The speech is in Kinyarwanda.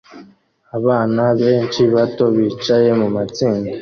Abana benshi bato bicaye mumatsinda